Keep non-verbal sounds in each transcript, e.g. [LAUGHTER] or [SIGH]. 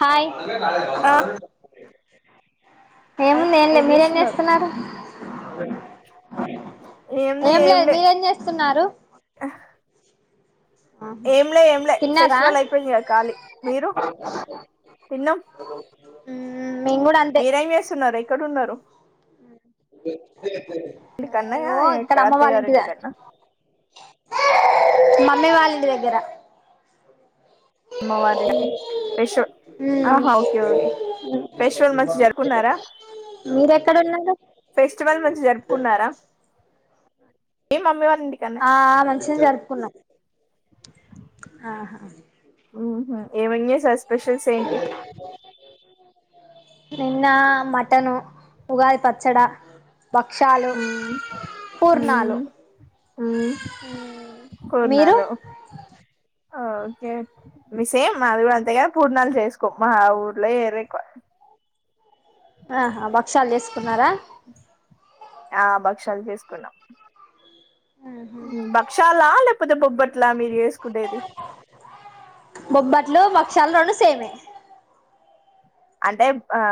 Hi అలా [UNINTELLIGIBLE] నా ఆ స [INAUDIBLE] ఏముంది ఏం ఏంలేదు మీరేం చేస్తున్నారు జేస్తున్నారు. స [INAUDIBLE] ఏంది ఏం లేద్ ఏంలే మీరేం చేస్తున్నారు. ఆహా ఏంలే ఏంలే తిన్నారా ఫెస్టివల్ ఐపోయిందిగా కాళి మీరు తిన్నాం మ్మ్ మేము కూడా మీరేం జేస్తున్నారు ఎక్కడ ఉన్నారు. ఉమ్ [INAUDIBLE] ఈ కన్నయా ఇకడ అత్తాయ గార్ ఇంటి దగ్గర కన్న మమ్మీ వాల్ ఇంటి దగ్గర. అమ్మవారి ఇంటికి ఫేషూ మ్మ్ ఆహా ఒకే ఒకే ఫెస్టివల్ మంచి జరుపున్నారా మీరెక్కడ ఉన్నారు ఫెస్టివల్ మంచిగ జరుపుకున్నారా. ఏ మమ్మీ వాల్. ఆ మంచిగా జరుపుకున్నాం ఆహా ఉహు ఏమయ్య సస్ స్పెషల్స్ ఏంటి నిన్న మాటను ఉగాది పచ్చడా బక్షాలు ఉమ్ ఉమ్ పూర్ణాలు ఉమ్ మీరు పూర్ణాలు ఓకే మీ సేమ్ అది కూడా అంతేగాని పూర్ణాలు చేసుకో మా ఊర్లో ఏరెక్వ ఆహా బక్ షాలు చేసుకున్నారా ఆ భక్ష్యాలు చేసుకున్నాం భక్ష్యాలా లేకపోతే బొబ్బట్లా మీరు వేసుకుండేది బొబ్బట్లు భక్షాలు రెండు సేమే అంటే ఆ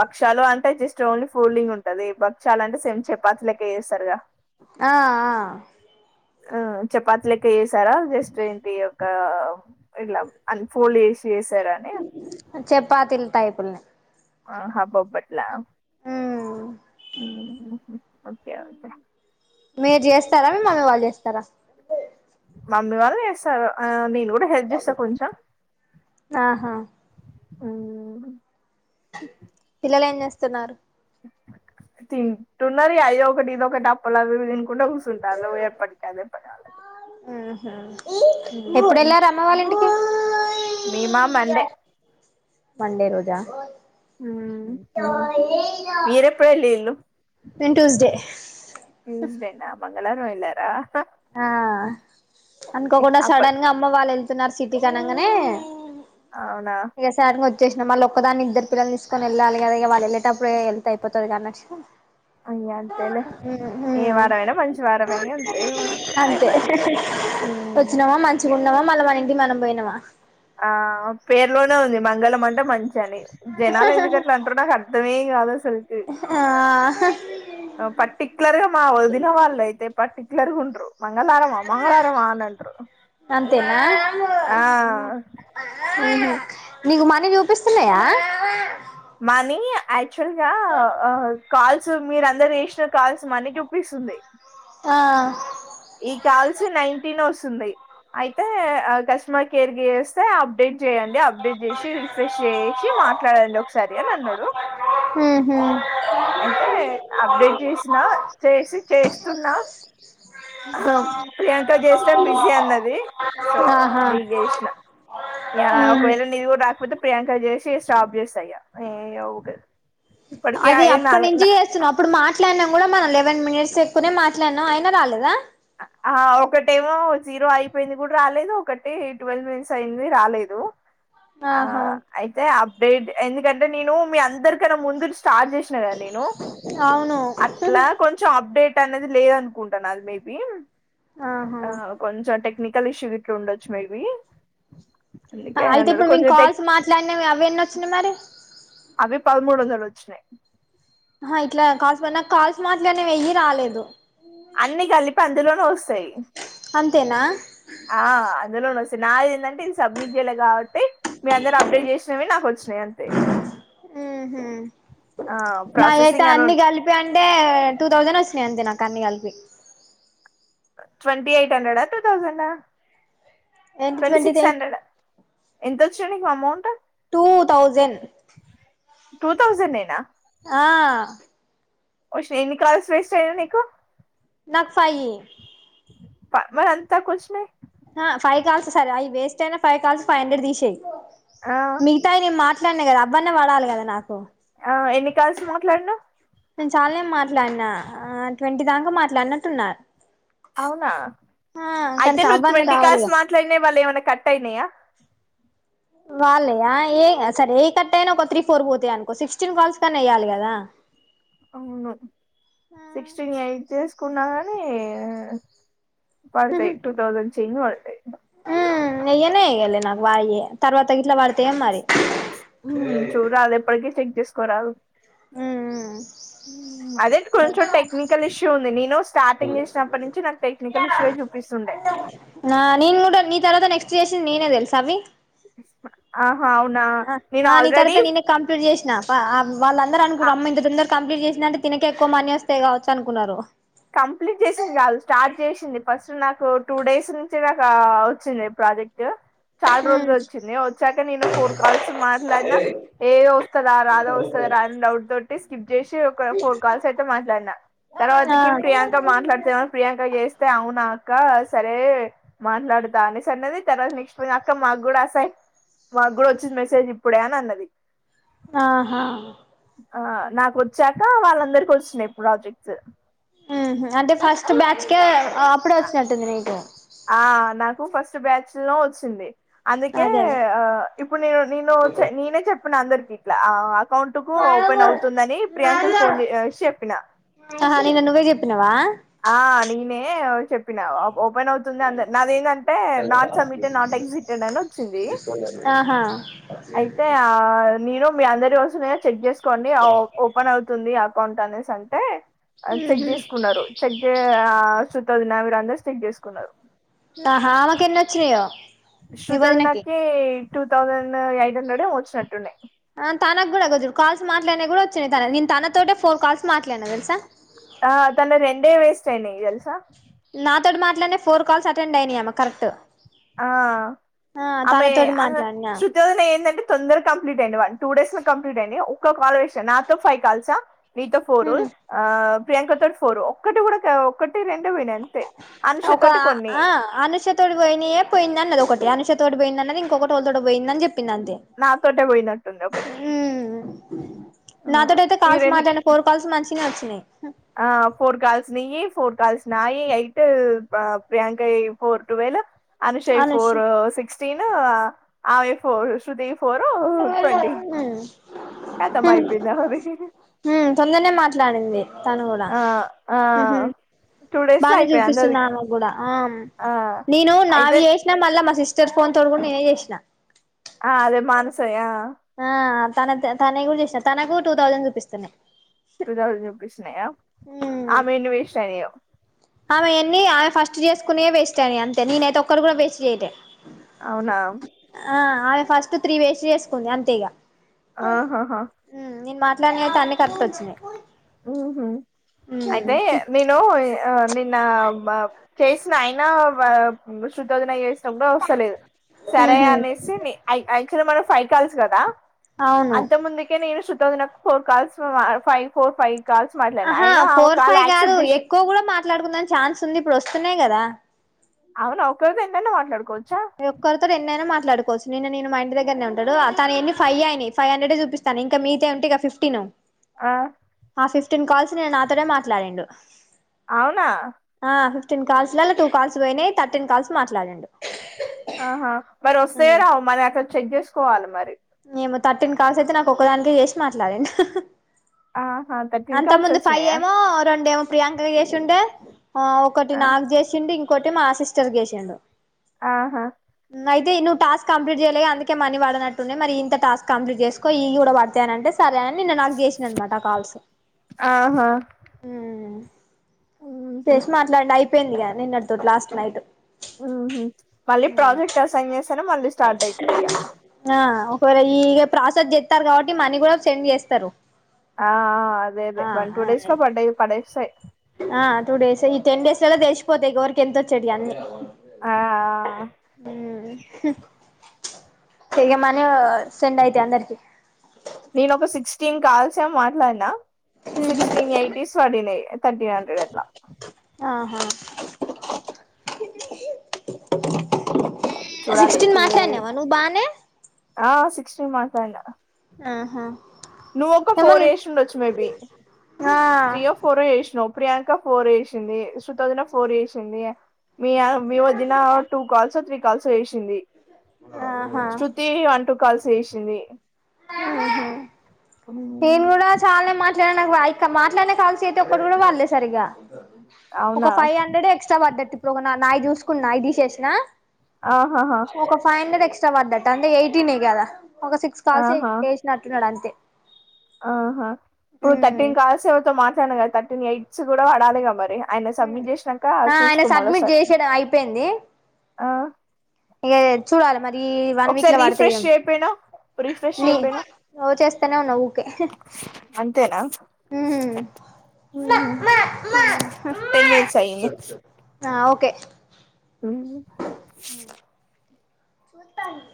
భక్షలు అంటే జస్ట్ ఓన్లీ ఫూలింగ్ ఉంటది భక్ష్య అంటే సేమ్ చపాతి లెక్క చేస్తారుగా ఆ ఆ ఆ చపాతి లెక్క చేసారా జస్ట్ ఏంటి ఒక ఇలా అన్ ఫోల్డ్ చేసి చేశారా అని చపాతీల్ టైపుల్ ఆహా బొబ్బట్ల ఉమ్ ఉహుహు మీరు చేస్తారా మీ మమ్మీ వాళ్ళు చేస్తారా మమ్మీ వాళ్ళ చేస్తారు నేను కూడా హెల్ప్ చేస్తా కొంచెం ఆహా ఉమ్ పిల్లలు ఏం చేస్తున్నారు. తింటున్నారు. అదొకటి ఇదొకటి అప్పలావి తినుకుంటే కూసుంటాళ్లు ఎప్పటికి అదే పని వాళ్ళకి. ఆహా మేమా మండే. మండే రోజా. ఉమ్, మీరెప్పుడు వెళ్ళిళ్ళు నేను ట్యూస్డే. ట్యూస్డేనా మంగళవారం ఎల్లారా. ఆ అనుకోకుండా అప్ప సడన్ గా అమ్మ వాళ్ళు వెళ్ తున్నారు సిటీకి అనంగనే. అవునా వచ్చేసిన మళ్ళ ఒక్కదాన్నే ఇద్దరు పిల్లలు తీసుకని వెళ్ళాలి కదా ఇగ వాళ్ళు, వెళ్లేటప్పుడే వెళ్తే అయిపోతది కదా అని వచ్చిన ఇగ అంతేలే ఏ ఉమ్ హ్ వారమైనా మంచి వారమే అంతే ఏమనుకో అంతే అయిపా ఉమ్ వచ్చినామా మంచిగా ఉన్నామా మళ్ళ మన ఇంటికి వెళ్లి. మనం పోయినామా. ఆ పేర్లోనే ఉంది మ మంగల మంటే మంచి కాని జనాలు ఎందుకట్లా అంటారో నాకు అర్థమే కాదు అసలుకి. ఆ పర్టిక్యులర్ గా మా వదిన వాళ్ళు అయితే పర్టిక్యులర్ గా ఉండ్రు. మంగళవారమా మంగళవారమా అని అంటార్ర్ అంతేనా ఆ ఉహు నీకు మనీ చూపిస్తున్నాయా. మనీ అ ఆక్చువల్గా. కాల్స్ మీరూ అందరు చేసిన కాల్స్ మనీ చూపిస్తుంది. ఆ ఈ కాల్స్ నైన్టీన్ వస్తుంది. అయితే కస్టమర్ కేర్ చేస్తే అప్డేట్ చేయండి. అప్డేట్ చేసి రిఫ్రెష్ చేసి మాట్లాడండి ఒకసారి అని అన్నాడు. ఉహు అయితే అప్డేట్ చేసిన చేసి చేస్తున్నా ప్రియాంకకి చేస్తే బిజీ అన్నది సో ఆహా నీకు జేసిన. ఉహు ఒకవేళ నీవి కూడా రాకపోతే ప్రియాంక చేసి స్టాప్ చేస్తా ఇగ ఏంది ఊకె అది అప్పటి నుంచి చేస్తున్నాం అప్పుడు మాట మాట్లాడినాం కూడా మనం లెవెన్ మినిట్స్ ఎక్కునే మాట్లాడినాం అయినా రాలేదా. ఆ ఒకటేమో జీరో అయిపోయింది కూడా రాలేదు ఒకటి ట్వెల్వ్ మినిట్స్ అయింది రాలేదు. ఆ ఆహా అయితే అబ్ డేట్ ఎందుకంటే నేను మీ అందరికన్నా ముందు. స్టార్ట్ చేసినా కద నేను అవును అట్లా కొంచెం అప్డేట్. అనేది లేదనుకుంటా మేబి బన్ ఆహా ఆ కొంచం టెక్ టెక్నికల్ ఇష్యూ ఇట్లా ఉండొచ్చు మేబి అయితే ఇప్పుడు మేము కాల్స్ మాట్లాడినా అవేం సిని మరి అవి పదమూడు వందలు వచ్చినాయి ఆ ఇట్లా కాస్ నాకు కాల్స్ మాట్లానావెయ్యి రాలేదు అన్నిీ కలిపి అందులోనూ వస్తాయి అంతేనా ఆ అందులో వస్తాయి నాది ఏంటంటే ఇది సబ్మిట్ చేయలేదు కాబట్టి మీ అందరు అప్డేట్ చేసినవి నాకు వచ్చిన ఉహు ఆ నాకయితే ప్రాసెసింగ్ అని అన్ని కలిపి అంటే టూ థౌజండ్ వచ్చినాయి అంతే నాకు అన్ని కలిపి ట్వంటీ ఎయిట్ హండ్రెడ్ ఆ టూ థౌసండ్ ఆ ఏంటి ట్వంటీ సిక్స్ ఎయిట్ హండ్రెడ్ ఎంతో చె amount two thousand two thousand ఏనా ఆ ష ఎన్ని కాల్స్ వేస్ట్ అయినాయి నీకు నక్ ఫైవ్ మరి అంత తక్కోవచ్చినై ఫైవ్ కాల్స్ సరే అవి వేస్ట్ అయినా ఫైవ్ కాల్స్ ఫైవ్ హండ్రెడ్ తీసేయి ఆ మిగతాయి నేన్ మా దానే అవ్వన్న పడలేకద నాకు ఆ ఎన్ని కాల్స్ మాట్లాడినవ్ నేను చాలానేం మాట్లాడినా ఆ ట్వంటీ దాకా మాట్లాడినట్టున్నా అవునా ఆ కానీ అయితే నువ్వు అవ్వన్న ట్వంటీ కాల్స్ రావాలిగా మాట్లాడినావి వాళ్ళు ఏమైనా కట్ అయినాయా వాళ్ళయా ఏ అ సర ఏ కట్ట అయినా ఒక త్రీ ఫోర్ పోతాయి అనుకో సిక్స్టీన్ కాల్స్ కన్నా ఏయ్యాలి కదా అవును సిక్స్టీన్ ఎయిట్ తీసుకున్నా కాని పడతాయి టూ థౌసండ్ చేంజ్ పడతాయి ఉమ్ ఎయ్యనే ఎయ్యాలే నాకు వాయిే తర్వాత గిట్లా వాడతాయి ఏం మరి హ్మ్మ్ చూడలే ఎప్పటికి సిక్ చేసుకోరాదు ఉమ్ అదేంటి కొంచెం టెక్నికల్ ఇష్యూ ఉంది నేను స్టార్టింగ్ చేసినప్పటి నుంచి నాకు టెక్నికల్ ఇష్యూే చూపిస్తుండే ఆ నేను కూడా నీ తర్వాత నెక్స్ట్ చేసింది నేనే తెల్సా అవి ఆ అవునా నేను ఆల్రెడి నాప ఆవ్ వాళ్ళందరూ అనుకున్నమ్మా ఇంతతొందర కంప్లీట్ చేసంద అంటే తినకే ఎక్కువ మనీ వస్తయి కావచ్చు అనుకున్నారు కంప్లీట్ చేసింది కాదు స్టార్ట్ చేసింది ఫస్ట్ నాకు టూ డేస్ నుంచి నాకు వచ్చింది ప్రాజెక్ట్ చాలా రోజులు వచ్చింది వచ్చాక నేను ఫోర్ కాల్స్ మాట్లాడినా ఏదో వస్తదా రాదా వస్తదా అని డౌట్ తోటిస్ జేసి ఒక ఫోర్ కాల్స్ అట్ మాట్లాడిన ఆ తర్వాతకి ప్రియాంక మాట్లాడుతేమని ప్రియాంక చేస్తే అవునాక్క సరే మాట్లాడుతా అనేసి అన్నది తర్వాత నెక్స్ట్ అక్క మాకు కూడా అసై మాకు కూడా వచ్చింది మెసేజ్ ఇప్పుడే అని అన్నది ఆహా ఆ నాకు వచ్చాక వాళ్ళందరికి వచ్చినయి ప్రాజెక్ట్స్ ఉహు అంటే ఫస్ట్ బ్యాచ్ కే ఆ అప్పుడే వచ్చినటుంది నీకు ఆ నాకు ఫస్ట్ బ్యాచ్ లో వచ్చింది అందుకే అదే అదే ఆ ఇప్పుడు నేను నేను నేనే చెప్పిన అందరికి ఇట్లా ఆవ్వ అకౌంట్ కు ఓపెన్ అవుతుందని ప్రియాంక ఫోన్ చే చెప్పిన తిన్నావా ఆ నీ ఏయ్ ఓయ్ చెప్పినా ఓపెన్ అవుతుంది అని నాదెందంటే నాట్ సబ్మిటెడ్ నాట్ ఎగ్జటెడ్ అని వచ్చింది ఆహా అయితే ఆ నేను మీ అందరి ఏ చెక్ చెస్ కొన్ని ఆ ఓ ఓపెన్ అవుతుంది అ కొంటానెస్ అంటే ఆ చెక్ ఉహు చేసుకున్నారు అంటే ఆ సుత ఉన్నా కూడా అందరు చెక్ చేసుకున్నారు ఆహా ఆమెకి ఎన్ని వచ్చినయో శృతి వదినకి టూ థౌజండ్ ఎయిట్ హండ్రెడ్ ఏమో వచ్చినట్టున్నాయి ఆ తన కూడా కొంచం కాల్స్ మా అనే కూడా వచ్చాయి తను నేను తన తోటే ఫోర్ కాల్స్ మాట్లాడిన తెలుసా ఆ తన రెండే వేస్ట్ అయినాయి తెలుసా నాతోటి మాట్లాడిన ఫోర్ కాల్స్ అటెండ్ అయినాయి ఆమె కరెక్ట్ ఆ ఆ ఆమె తనతోటి అద్ మాట్లాడినా శుతి వదిన ఏందంటే తొందరగా కంప్లీట్ అయినాయి వన్ టూ డేస్ లో కంప్లీట్ అయినాయి ఒక్క కాల్ వే నాతో ఫైవ్ కాల్సా నీతో ఫోరు ఆ ప్రియాంక తోటి ఫోర్ ఒక్కటి కూడా క్యా ఒకట్ ఒక కొన్ని ఆ ఆ అనుష తోటి పోయినయె పోయిందన్నది ఒకటి అనుషతోోటి పోయిందన్నది ఇంకొకటి టేళ్ళతోటో పోయిందని చెప్ పిందంతె నాతోటే పోయినట్టుంది ఒకటి హు నాతోటి అయితే ఈ కాల్స్ రెండు మాట్లాడిన ఫోర్ కాల్స్ మంచిినే ఒచ్ న్ని ఆ ఫోర్ కాల్స్ నియ్యి ఫోర్ కల్స్ నాయి ఎయిట్ ఆ ప్రియాంకై ఫర్ టువెలు అనుషై అనుష్ ఫోర్ సిక్ టిను ఆ ఆమె ఈ ఫోర్ శృతి యి ఫోరు ట్వంటీ కతమైపోంది ఆమెది తొందర్నె మాట్లాడింది తను కూడా ఆ ఆ మ్ హు టూ డేస్ లో బానే అయిపోయాయి అందరివి చూపిస్తుంది ఆమెక్కూడా ఆ ఆ నేను అయితే నావి చేసినా మళ్ళా మా సిస్ స్టర్ ఫోన్ తోటి గుడ నినే చేసిన ఆ అదే మానస య్ ఆ ఆ తనద్ తనై కూడా చేసిన తనకు టూ థౌజండ్ చూపిస్తున్నాయ్ టూ థౌసండ్ చూపిస్తున్నాయా ఆమెయెన్ని వేష్టానైయ్ యో ఆమెయేన్నీ ఆమె ఫస్ట్ చేసుకున్నాయే వేస్ట్ అయినాయి అంతే నినైతే ఒక్కటి కూడా వేస్ట్ చేయలే అవునా ఆ ఆమె ఫస్ట్ త్రీ వేస్ట్ చేసుకుంది అంతే ఇగ ఆహాహా హు నేను మాట్లాడిన నైతే అన్ని ఖర్ట్ ట్టోచ్చినయ్ మ్ హు అయితే నిను ఈ ఆ నా బా చేసిన అయినా వా శృతోదినకు చేసిన కూడ వస్తలేదు సరే ఉహు అనేసి ని ఐ ఆచ్చువల్గా మన ఫై కాల్స్ కదా అవును అంత ముందుకే నేను శృ తోదినకు ఫోర్ కల్స్ ఆ ఫైవ్ ఫోర్ ఫై ఆహా ఫోర్ ఫైవ్ కాదు చేసింది ఎక్కువ కూడా మాట్లాడుకుందానికి ఛాన్స్ ఉంది ఇప్పుడు వస్తు నై కదా అవునా ఒక్క రోజు ఏంతైనా మాట్లాడుకోవచ్ ఒక్కరితో నిన్నైనా మాట్లాడుకోవచ్చు నిన్న నిను మా ఇంటి దగ్గరనే ఉంటాడు తనయెన్ని ఫైయ్యే అయినాయి ఫైవ్ హన్రేడ్ ఏ చూపిస్తానయ్ ఇంకా మీగతాయి ఉంటై గా ఫిఫ్టీన్ ఆ ఆ ఫిఫ్టీన్ కాల్స్ ఆనే నాతోనే మాట్లాడిండు అవునా ఆ ఫిఫ్టీన్ కాల్స్లల్ల టూ కాల్స్ పోయినయి థర్టీన్ కాల్స్ మాట్లాడిండు ఆహా మరి వస్తయో రావో మరి అక్కడ చెక్ చేసుకోవాలి మరి ఏమో థర్టీన్ కాల్స్ అయితే నాకు ఒక్కదానికే చేసి మాట్లాడిండు ఆహా థర్టీన్ కాల్స్ అంతముందు ఫైవ్ వచ్చినాయా ఏమో రెండేమో ప్రియాంకకి చేశుండే ఆ ఒకటి ఆ, నాకు చేసిండు కోటి మా సిస్టర్కు చేసిండు ఆహా అయితే నువ్వు టాస్క్ కంప్లీట్ చేయలేదు అందుకే మనీ పడనట్ ట్టున్నయి మరి ఈ ఇంత టాస్క్ కంప్లీట్ చేసుకో ఇయ్యి కూడ పడతయి అనంటే సరే అని నిన్న నాకు చేసిండు అన్నమాట కాల్స్ ఆమ్ ఆహా ఉహు చేసి మాట్లాడిండు అయిపోయిందిగా నిన్నటితోటి లాస్ట్ నైట్ ఉహు మళ్ళీ ప్రాజెక్ట్ అసైన్ చేస్తేనే మళ్ళీ స్టార్ట్ అయితది ఇగ ఆ ఒకవేళ ఈ ప్రాసెస్ చెత్తారు కాబట్టి మనీ కూడా సెండ్ చేస్తరు ఆ అదే అదే వన్ టూ డేస్ లో పడ్డయి పడేస్తయి ఆ టూ డేస్ ఈ టెన్ డేస్లల్ల తెలిసిపోతయి ఎవరికి ఎంతొచ్చేటియన్ని ఆ [INAUDIBLE] చేయమనీ సెండ్ అయితయి అందరికి నేను ఒక సిక్స్టీన్ కాల్స్ ఏమో మాట్లాడినా సిక్స్టీన్ ఎయిటీస్ పడినయి తీర్టీన్ హండ్రెడ్ అట్లా హా [INAUDIBLE] చూడాలి సిక్స్టీన్ వే- మాట్లాడినవా నువ్వు బానే ఆ సిక్స్టీన్ మాట్లాడినా ఆహా నువ్వొక ఫోర్ ఏమన్ చేసి ఉండొచ్చు మేబి ఆ త్రీయో ఫోరో చేశ్నవ్ ప్రియాంక ఫోర్ చేసింది శృతి వదిన ఫోర్ చేసింది మీ మీ వదిన టూ కాల్సో త్రీ పల్స ఏషింది ఆహా శ్రృతీ అంటు కల్స్ ఏశింది మ్ హ్ నేన్ గుడా చాల్నె మాట్లా నాకువాయ్ క మాట్లాడ్న కాల్స్ ఐతే ఒక్కట్ గుడా వళ్ళె సరిగా ఒక అవునా ఫై హండ్రెడ్ ఎక్స్ట్రా బడ్డ తిప్ రోగనా నాయ్ చూస్కొన్ నాయ్ తీసేసిన ఆహాహా ఒక ఫై హండ్రెడ్ ఎక్స్ ట వడ్డట్ అంటె ఎయిటీనె గదా ఒక సిక్స్ కాల్స్ ఏశినట్టున్నడు అంతే ఆహ ఇప్పుడు ఉమ్ థర్టీన్ కాల్సేవరితో మాట్లాడ్న గదా థర్ట్ ఎయ్ట్స్ గుడా వడాలిగా మరియ ఆ ఆయన సబ్మిట్ చేసడం అయిపోయింది ఆ ఇగా చూడాల్ మర్ ఈ వన్ వీక్ ఒకసారి ల వడుతాయి రీఫ్రెష్ అవ్ చేయపోయినా రీఫ్రెష్ ని చేయపోయినా చేస్తనే ఉన్నా ఊకే మ్ హ్ టెన్ మినిట్స్ అయ్యి ఆ ఓకే మ్ చూత్తాంది